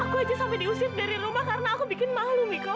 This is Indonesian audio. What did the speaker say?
aku aja sampai diusir dari rumah karena aku bikin malu miko